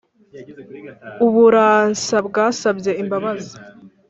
U buransa bwasabye imbabazi.